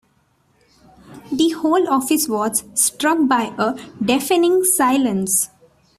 The whole office was struck by a deafening silence.